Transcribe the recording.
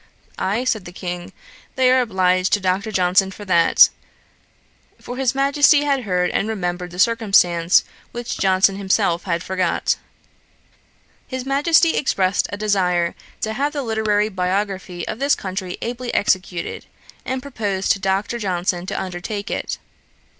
'Aye, (said the King,) they are obliged to Dr. Johnson for that;' for his Majesty had heard and remembered the circumstance, which Johnson himself had forgot. His Majesty expressed a desire to have the literary biography of this country ably executed, and proposed to Dr. Johnson to undertake it.